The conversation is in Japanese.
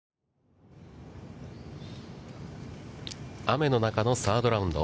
雨の中のサードラウンド。